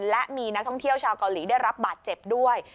และมีนักท่องเที่ยวชาวเกาหลีได้รับบาดเจ็บด้วย